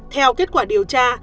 theo kết quả điều tra